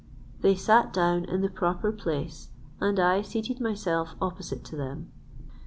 They sat down in the proper place, and I seated myself opposite to them.